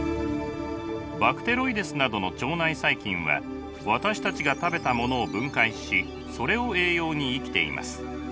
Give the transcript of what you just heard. バクテロイデスなどの腸内細菌は私たちが食べたものを分解しそれを栄養に生きています。